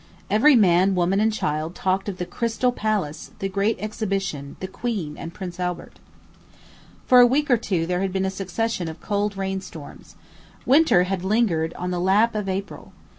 Every man, woman, and child talked of "the Crystal Palace, the great exhibition, the queen, and prince Albert." For a week or two there had been a succession of cold rain storms. Winter had lingered in the lap of April.